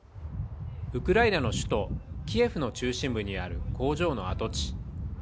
ウクライナの首都キエフの中心部にある工場の跡地。